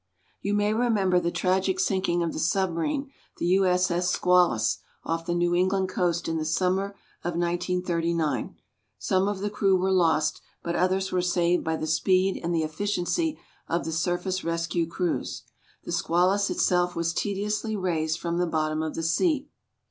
You may remember the tragic sinking of the submarine, the U.S.S. SQUALUS off the New England coast in the summer of 1939. Some of the crew were lost, but others were saved by the speed and the efficiency of the surface rescue crews. The SQUALUS itself was tediously raised from the bottom of the sea.